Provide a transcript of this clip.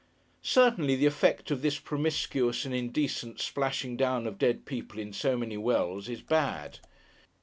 Certainly, the effect of this promiscuous and indecent splashing down of dead people in so many wells, is bad.